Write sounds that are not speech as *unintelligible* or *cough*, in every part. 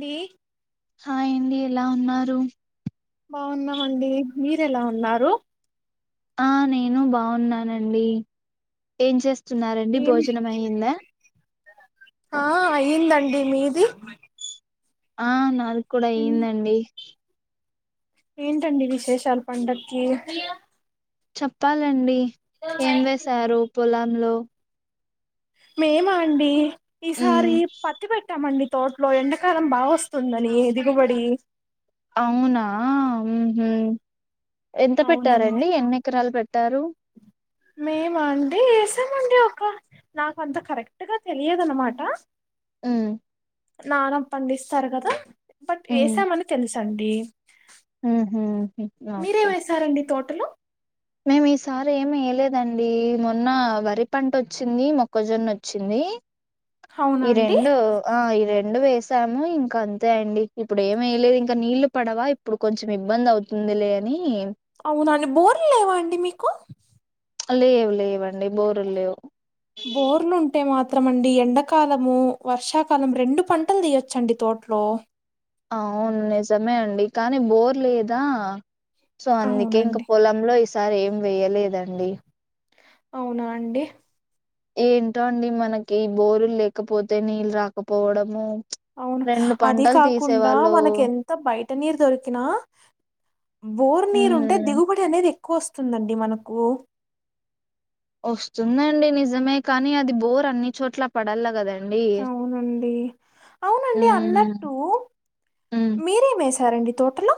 లీ హాయండి ఎలా ఉన్నారు బాగున్నామండి మీరు ఎలా ఉన్నారు ఆ నేను బావున్నానండి ఏం చేస్ స్తున్నారండి ఏం భోజనం అయ్యిందా ఆ అయ్యందండి మీది ఆ నాది కూడా అయ్యందండి ఏంటండి విశేషాలు పండక్కి చెప్పాలండి ఏం వేసారు పొలా పొలాల్లో మేమా అండి ఉమ్ ఈసారి పత్తి పెట్టామండి తోటలో ఎండాకాలం బా వస్తుందని దిగుబడి అవునా ఊహు ఎంత అవునండి పెట్టారండి ఎన్ని ఎకరాలు పెట్ అందరూ మేమ అండి వేసామండి ఒక నాక అంత కరెక్ట్గా తెలియదు అన్నమాట ఊ నాన్న పండిస్తారు కదా బట్ వేసా మని తెలుసు అండి ఊహూ ఓకే వేసారండి తోటలో మేము ఈసారి ఏమి వేయలేదండి మొన్న వరి పంట వచ్చింది మొక్కజొన్న వచ్చింది అవునా ఈ అండి రెండు ఆ ఇరెం రెండు వేసాము ఇంకా అంతే అండి ఇప్పుడు ఏమి వయలేదు ఇంకా నీళ్లు పడవా ఇప్పుడు కొంచెం ఇబ్బంది అవుతుంది లే అని అవునండి బోర్లు లేవా అండి మీకు లేవు లేవండి బోరులు లేవు బోర్లుంటే మాత్రమండి ఎండాకాలము వర్షాకాలం రెండు పంటలు తీయొచ్చండి తోట్లో అవును నిజమే అండి కానీ బోర్ లేదా సో అందుకే ఇంకా అవునండి పొలంలో ఇ ఈసారీ ఏం వేయలేదండి అవునా అండి ఏంటో అండి మనకి బోరులు లేకపోతే నీళ్ళు రాకపోవడము అవును రెండు అది పంటలు కాకుండా తీసేవాళ్ళు మనకి ఎంత బయట నీరు దొరికినా బోర్ నీరు ఉంటే ఉమ్ దిగుబడి అనేది ఎక్ ఎక్కువ వస్తుందండి మనకు వస్తుందండి నిజమే కానీ అది బోర్ అన్ని చోట్ల పడల్లా కదం అవునండి అవునండి ఉమ్ అన్నట్టు ఉమ్ మీరే వేసి వేసారండి తోటలో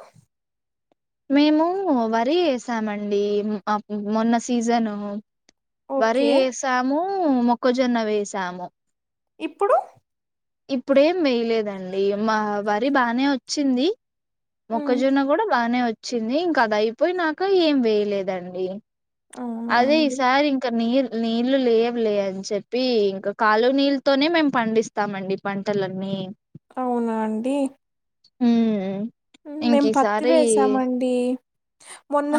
మేము వరి వేసామండి మొన్న సీజను వరి ఓకే వేసాము హుమ్మ్ మొక్కజొన్న వేసాము. ఇప్పుడు ఇప్పుడేం వేయ్ లేదండి, మా వరి బానే వచ్చింది. హ్మ్. మొక్కజొన్న గూడ బానే వ చ్చింది. ఇంక అది అయిపొయినాక యేం వేయలేదండి. అవునా అదే ఈ అండి సారి ఇంక నీరు నీళ్ళు లేవు లే అని చెప్పి, ఇంక కాల్వ నీళ్ళతోనె మేము పండిస్తామండి పంటలన్నీ, అవునా అండి. హ్మ్ మేం పత్తి వేసామండి.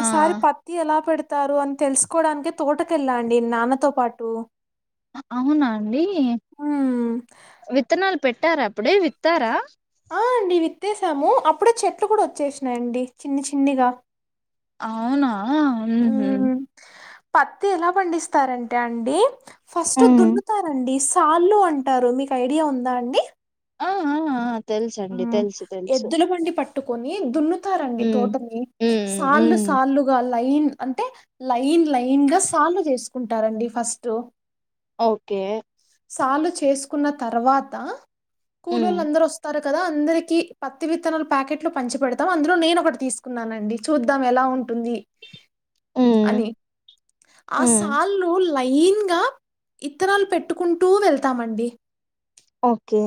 ఆ పత్తి యెలా పెడి తారు అన్ తెల్ స్ కోవడానికి తోటకెళ్ళా అండి నాన్నతో పాటు అవునా అండీ హ్మ్ విత్తనాల్ పెట్టార అప్పుడే విత్తారా ఆ అండి విత్తేస్యాము అప్పుడే చెట్లు కూడా వచ్చేస్ నాయండి చిన్ని చిన్నిగా అవున ఆ హు హుమ్ హ్మ్ పత్తి యెల పండిస్తారంటె అండి ఫస్ట్ ఉహు దున్నుతారండీస్ కాళ్ళు అంటరు ‌మీకు ఐడియా ఉంద అండి ఆ ఆ ఆ ఆ తెలుసండి తెలుసు తెలుసు ఎద్దుల బండి పట్ పట్టుకొని దున్ను తు తారండి ఉమ్ తోటని ఉమ్ సాళ్లు ఉమ్ సాళ్లు గా అల్ లైన్ అంటె లైన్ లైన్ గ సాళ్లు జేస్ కుంటరండి ఫస్ టు ఓకే సాళ్లు చేస్కున్న తర్వాత ఉమ్ కూలోళ్లు అందరు వస్తారత్ కదా అందరికి పత్తి విత్తనాల్ ప్యాకెట్ లు పంచి పెడతాం అందులో నేను ఒకటి తీసుకున్నానండి చూద్దం ఎలా ఉంటుంది ఉమ్ అనీ ఆ ఉమ్ సాళ్లు వుల్ లయింగా ఇత్తనాల్ పెట్ నెట్టుకుంటూ వెళ్తామండి ఓకే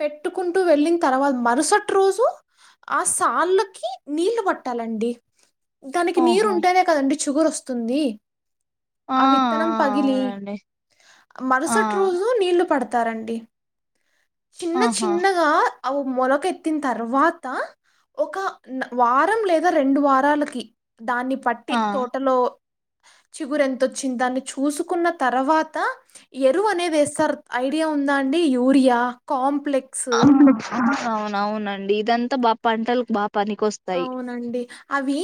పెట్టుకుంటు వెళ్ళిన్ తర్వత్ మరసట్ రోజు ఆ సాళ్లకి నీళ్లు పట్టాలండి దానికి నీరు ఆహా ఉంటేనె కదండి షుగర్ వస్తుందీ ఆ విత్తనం పగిలి అవునండి ఆ మరసట్ రోజు నీళ్లు పడత్ తరంటి చిన్న ఆహా చిన్నగా అవి మొలకెత్తిన తర్వాత ఒక వారం లేదా రెండు వారాలకి దాన్ని పట్టి ఆ తోటలో చిగురు ఎంతొచ్చింది దాన్ని చూసుకున్న తర్వాత ఎరువు అనేది వేస్తారు ఐడియా ఉందా అండి యూరియా కాంప్లెక్ అహా *unintelligible* అవునవునండి ఇదంతా బా పంటలు బా పనికొస్తాయి అవునండి అవీ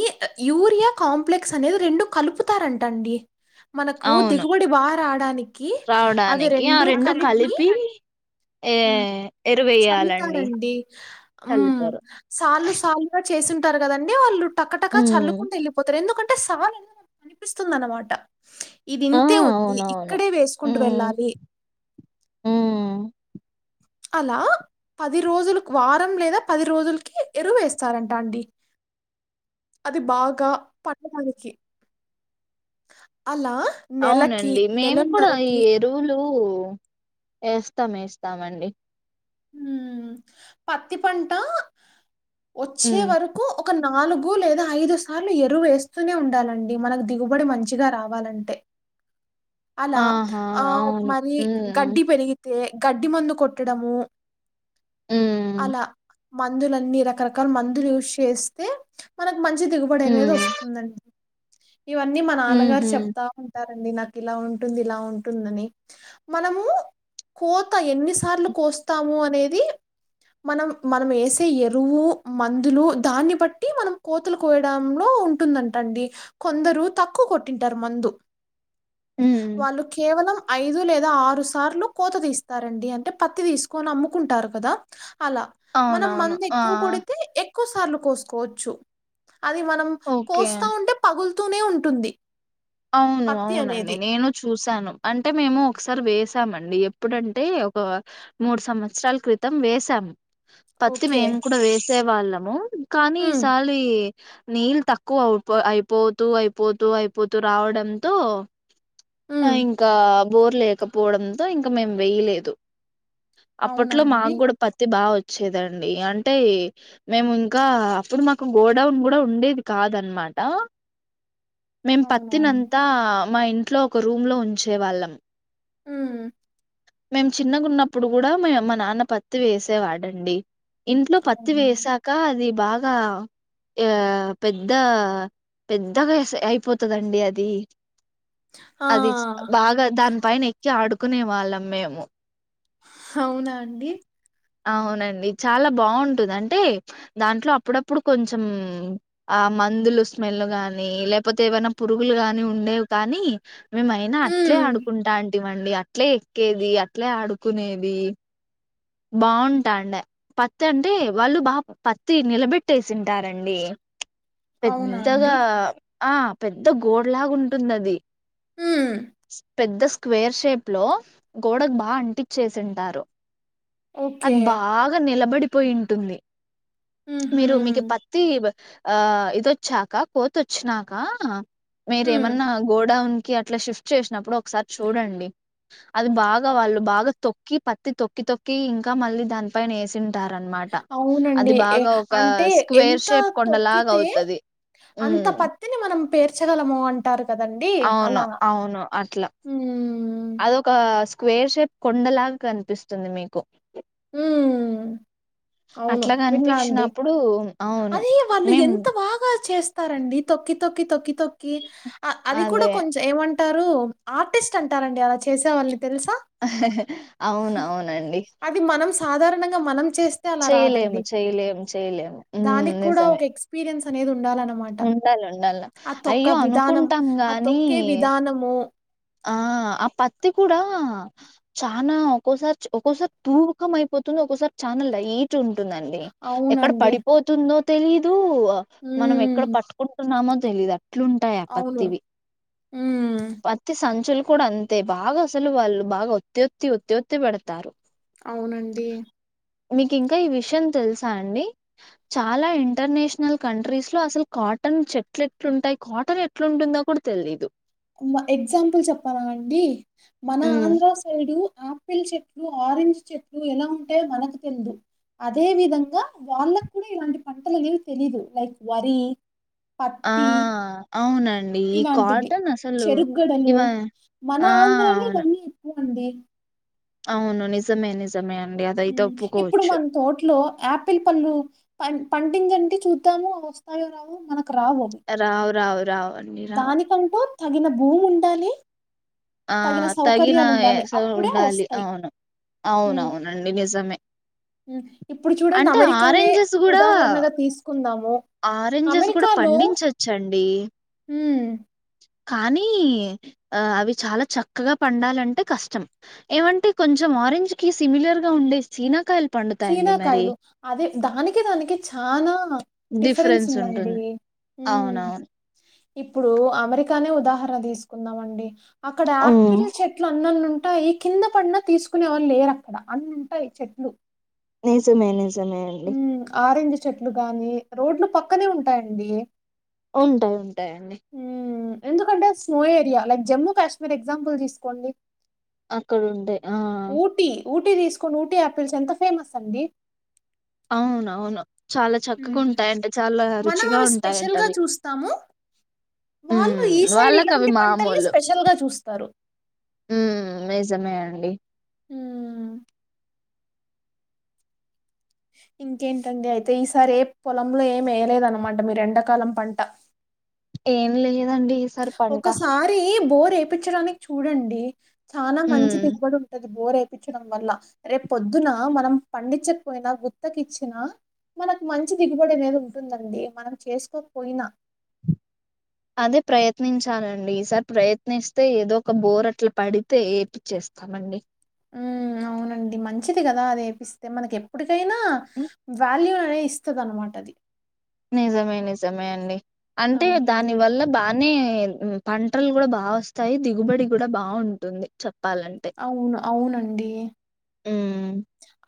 యూరియా కాంప్లెక్స్ అనేవి రెండు కలుపుతారంట అండి మనకు అవును దిగుబడి బాగ రావడానికి అవి రావడానికి ఆ రెండూ రెండు కలిపి ఏ హ్మ్ ఎరువేయాలండి చల్లుతారండి హ్మ్ చల్లుతారు సాల్లు సాల్లుగా చేసింటా ఉంటారు కదండి వాళ్ళు టకటకా ఉమ్ చల్లుకుంట యెళ్లిపోతారు ఎందుకం అంటే సాల అనేది కనిపిస్తుంది అన్నమాట ఆ ఇదింతే ఉంది అవునవును ఇక్కడే వేసుకుంటు ఉమ్ వెళ్ళాలి ఉమ్ అలా పది రోజులకు వారం లేదా పది రోజులకి ఎరువు వేస్తారంట అండి అది బాగా పండడానికి అలా నెలకి, అవునండి మేము కూడా ఈ నెలన్నరకి ఎరువులు యేస్తాం యేస్తామండి హ్మ్ పత్తి పంటా వచ్చే హ్మ్. వరకు ఒక నాలుగు లేదా ఐదు సార్లు ఎరువు వేస్తూనే ఉండాలండి మనకు దిగుబడి మంచిగా రావాలంటే అలా ఆహా! ఆ అవును. మరి హ్మ్. గడ్డి పెరిగితే గడ్డి మందు కొట్టడము హ్మ్. అలా మందులన్నీ రకరకాల మందులు యూజ్ చేస్తే మనం మంచి దిగుబడి అనేది హ్మ్. హ్మ్. వస్తుంది అండి ఇవన్నీ మా నాన్నగారు హుహు. చెప్తా ఉంటారు వండినాం ఇలా ఉంటుంది ఇలా ఉంటుందని మనము కోత ఎన్నిసార్లు కోస్తాము అనేది మనం మనమేసే ఎరువు మందులు దాన్ని బట్టి మనం కోతలు కోయడంలో ఉంటుందంటండి కొందరు తక్కువ కొట్టింటారు మందు హ్మ్. వాళ్ళు కేవలం ఐదు లేదా ఆరు సార్లు కోత తీస్తారండి అంటే పత్తి తీసుకొని అమ్ముకుంటారు కదా అలా మనం అవునవును. మందు ఆ! ఎక్కువ కొడితే ఎక్కు ఎక్కువసార్లు కోసుకోవచ్చు అది మనం ఓకే. కోస్తా ఉంటే పగులు తూనే ఉంటుంది అవును పత్తి అవునండి అనేది. నేను చూసి వస్తాను అంటే మేము ఒకసారి వేసామండి ఎప్పుడంటే ఒక మూడు సంవత్సరాల క్రితం వసాము పత్ ఓకే. మేము కూడా వేస్త సే వాళ్ళము కానీ హ్మ్. ఇసలి నీళ్ళ తక్కువ అవు అయిపోతూ అయిపోతూ అయిపోతు రావడంతో ఆ హ్మ్. ఇంకా బోర్ లేకపోవడంతో ఇంకా మేము వేయలేదు అవునా అప్పట్లో అండి? మాకు కూడా పత్తి బాగా వచ్చు వచ్చేదండి అంటే మేము ఇంకా అప్పుడు మాకు గోడౌన్ కూడా ఉండేది కాదన్నమాట మేం ప అవునా అండి? త్తినంతా మా ఇంట్లో ఒక రూమ్ లో ఉంచేవాళ్ళం హ మేము చిన్నగా ఉన్నప్పుడు కూడా మ మా నాన్న పత్తి వేసేవాడండి ఇంట్లో పత్తి అవునండి. వేసాక అది బాగా ఇకా ఆ పెద్ద పెద్దగా అయిపోతుందిండి అడి ఆ! అది అది బాగా దాన్ పైన ఎక్కి ఆడుకునే వాళ్ళం మేము అవునా అండి అ అవునండి చాలా బావుంటది అంటే దాంట్లో అప్పుడప్పుడు కొంచెం ఆ మందులు స్మెల్ గానీ లేకపోతే ఏవైనా పురుగులు గాని ఉండేవి కానీ మేముమైనా అట్లే హ్మ్. ఆడుకుంటా అన్ ఇట్టివ్వండి అట్లే ఎక్కేది అట్లే ఆడుకునేది బాగుంటా అండి పత్తి అంటే వాళ్ళు బా పత్తి నిలబెట్టేసింటారండి అవునా అండి పెద్దగా ఆ పెద్ద గోడ లాగా ఉంటుంది అది హ్మ్. పెద్దస్ స్క్వేర్ షేప్ లో గోడకు బాగా అంటిచ్చేసింటారు ఓకే. అద్ బాగా నిలబడి పోయింటుంది హుహు. మీరు మీకి పత్తి ఇబ్. ఆ ఇదొచ్చాక్క కోతి వోక్నాకా హ్మ్. మీరేమన్నా గోడౌన్. కి అట్ల షిఫ్ట్ చేసినప్పుడు ఒక్సారి చూడండి. అది బాగా అవు వాళ్ళు బాగా తొక్కి. పత్తి తొక్కి తొక్. క్కి ఇంకా మళ్ళీ దానిపైన్ వేసిన్. అవునండి. ఎ అంటే స్క్వేర్ ఎంత షేప్ కొండలాగా తొక్కితే అవుతది అంత ఉమ్ పత్తిని మనం. పేర్చగలమో అంటారు. కదండీ! అవును. అలా. అవును అట్ల హ్మ్. అదొక స్క్. క్వేర్ షేప్ కొండల్లాగ్ కనిపిస్తుంది. మీకు ఊ అవును అట్లా విన్నా అండి. కనిపించినప్పుడు అవును అది వాళ్ళు మేము ఎంత బాగా చేస్తారండి తొక్కి. తొక్కి తొక్కి తొక్కీ. అ అది కూడా అదే కొంచెం ఏమంట్. టరూ. ఆర్టిస్ట్ అంటారండి. అలా చేసే వాల్ని. అవున్ అవునండి. నం సాధారణంగా మనం. చేస్తే అలా చేయలేము, రాదండి. చేయలేము, చేయలేము, ఊ నిజమే. తనేదున్. ఉండాల్ ఉండాల. అయ్యో విధానం అనుకుంటాం ఆ గానీ తొక్కే విధానము ఆ ఆ పత్. త్తి కూడా చానా ఒక్కోసారి చ్ ఒక్కోసారి తూకమయిపోతుంది. ఒక్కసారి చానా లైట్. చ్చుంటుందండి. ఎక్కడ అవునండి పడిపోతుందో. తెలీదు. ప మనం ఎక్. క్కడ ఉమ్ పట్టుకుంటున్నామో. తెలీదా. ట్లుంటయ అవును పత్తివి, ఉమ్ పత్తి సంచులు. కూడా అంతే బాగా అసల్ వాళ్ళు బాగా ఒత్తోత్తి ఒత్తోత్తి పెడతారు. అవునండి మీకింకా ఈ విషయం తెల్సా అండి. చాలా ఇంటర్నేషనల్ కంట్రీస్ లో అసల్. కాటన్ చెట్లేట్లుంటాయ్ కాటన్ ఏట్లుంటుందో కూడా తెలిదు. కుమ్వ ఎగ్జాంపుల్ చెప్పాలా అండి. మన ఉమ్, ఆంధ్ర సైడూ. ఆపిల్ చెట్లు, ఆరెంజ్ చెట్లు ఎలా ఉంటాయో మనకు తెల్దు, అదే విధంగా వాళ్ళక్ కూడా ఇలాంటి పంటలు అనేవి తెలీదు లైక్ వరీ. ఆ అవునన్. ఇలాంటివి చెరుగడలు ఇవ మన ఆ ఆంధ్రాలో అవును ఇవన్నీ ఎక్కువ అండి అవును నిజమే నిజ్ ఇప్పుడు మన తోటలో ఆపిల్ పళ్ళు పన్ పంటించంటి చూద్దాము అవి వస్తావో రావో మన రావు రావు రావ్ దానికంటు తగిన భూమి ఉండాలి ఆ తగిన సౌకర్యాలు ఉండాలి. ఏస వి అప్పుడే ఉండాలి వస్తాయి. అవును అవునవునండి నిజమే ఉమ్ ఇప్పుడు చూడండి అంటే అమెరికానే ఆరెంజెస్ కూడా ఉదాహరణగా తీసుకుందాము ఆరెంజెస్ కూడా అమెరికాలో పండించచ్చండి హుమ్ కానీ ఆ అవి చాలా చక్కగా పండాలంటే కష్టం ఏమంటే కొంచెం ఆరెంజ్ కి సిమిలర్ గా ఉండే సినాకాల్ సీనాకాయలు అదే దానికి దానికి చానా డిఫరెన్స్ ఉందండి హుమ్ అవునవును. ఇప్పుడు అమెరికానే ఉదాహరణ తీసుకుందాం అండి అక్కడ హ్మ్. ఆపిల్ చెట్లు అన్నన్ని ఉన్ ఉంటాయి కింద పడినా తీసుకునే వాళ్లు లేరు అక్కడ అన్ని ఉంటాయి చెట్లు నిజమే నిజ్ హమ్ ఆరెంజ్ ఇ చెట్లు గాని రోడ్లు పక్కనే ఉంటాయండి ఉంటాయి ఉంటాయండి ఉమ్, ఎందుకంటే snow area like Jammu Kashmir example తీసుకోండి అక్కడ ఉంటయి ఊటీ ఊటీ తీసుకోండి ఊటీ ఆపిల్స్ ఎంత ఫేమస్ అండి అవునవును చాలా చక్కగా ఉమ్, ఉంటాయంటే చాలా మనం రుచిగా అవి ఉంటాయంట స్పెషల్ గా అవి చూస్తాము వాళ్ళు హమ్ ఈ సైడ్ వాళ్ళకి అవి ఇలాంటి పంటల్ని మామూలు స్పెషల్ గా చూస్తారు నిజమే అండి ఉమ్, ఇంకేంటండి అయితే ఈసారి ఏ పొలంలో ఏమి వేయలేదనమాట మీరు ఎండాకాలం పంట ఏం లేదండి ఈస్ ఒకసారి బోర్ చేపిచ్చాడానికి చూడండి చానా మంచి హ్మ్. దిగుబడి ఉంటది బోరే ించడం వల్ల రేపు పొద్దున మనం పండించకపోయినా గుత్తకిచ్చిన మనకు మంచి దిగుబడి అనేది ఉంటుందండి మనం చేసుకోకపోయినా అదే ప్రయత్నించాలండి ఈసారి ప్రయత్నిస్తే ఏదో ఒక బోర్ అట్లా పడితే ఏపిచ్చేస్తామండి ఉమ్ అవునండి మంచిది కదా అది ఏపిస్తే మనకి ఎప్పుడు డేనా హ్మ్. వాల్యూ వే ఇస్తదన్నమాట అది నిజమే నిజమే అండి అంటే అవునండి. దాని వల్ల బానే పంటలు కూడా బా వస్తాయి దిగుబడి కూడా బాగుంటుంది చె అవును అవునండి ఉమ్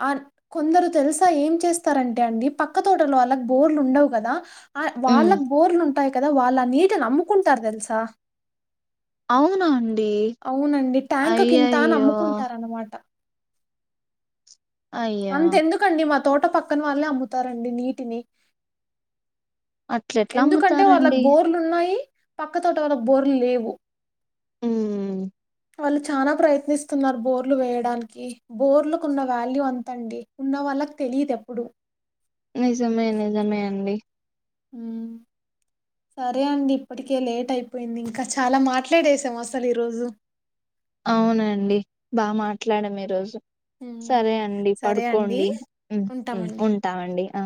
ఆ కొందరు తెలుసా ఏం చేస్తారంటే అండి పక్క తోటలో వాళ్ళకు బోర్లు ఉండవు కదా వాళ్ళకు బోర్లు ఉం ఉంటాయి కదా వాళ్ళు ఆ నీటిని అమ్ముకుంటారు తెలుసా అవునాం అవునండి ట్యాంక్ కింత అని అమ్ముకుంటారనమాట అయ్యో అంత ఎందుకండి మ తోట పక్కన వాళ్ళే అమ్ముతారండి నీటిని అట్లెట్లా ఎందుకంటే అమ్ముతారండి వాళ్ళకు బోర్లు ఉన్నాయి పక్క తోట వాళ్ళకు బోర్లు లేవు ఉహ్మ్ వాళ్ళు చనా ప్రయత్నిస్తున్నారు బోర్లు వేయడానికి బోర్లులకు ఉన్న వాల్యూ అం తండి ఉన్న వాళ్ళకి తెలియిదు ఎప్పుడు నిజమే నిజమే అండి హ్మ్ సరే అండి ఇప్పటికే లేట్ అయిపోయింది ఇంకా చాలా మాట్లాడేసాం అసలు ఈరోజు అవునండి బా మాట్లాడము ఈరోజు ఉమ్, సరే అండి సరే అండి పడుకోండి ఉ ఉంటామండి ఉంటామండి ఆ